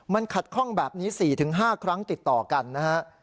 มันขัดข้องแบบนี้๔๕ครั้งติดต่อกันนะฮะ